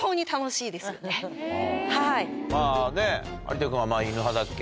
まぁね有田君はイヌ派だっけ。